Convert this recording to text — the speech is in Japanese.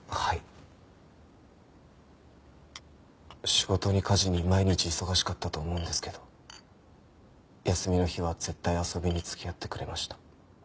仕事に家事に毎日忙しかったと思うんですけど休みの日は絶対遊びに付き合ってくれました。